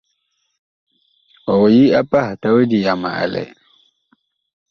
Ɔg yi a pah tawedi yama ɛ lɛ ?